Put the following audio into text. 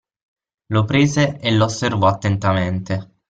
Lo prese e l'osservò attentamente.